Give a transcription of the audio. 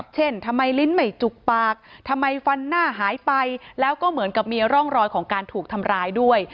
ทำไมลิ้นไม่จุกปากทำไมฟันหน้าหายไปแล้วก็เหมือนกับมีร่องรอยของการถูกทำร้ายด้วย